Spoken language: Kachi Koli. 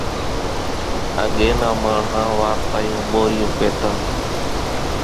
اڳيَ نان ماڻۿان وارتاريون ٻورِيون ڪيتان۔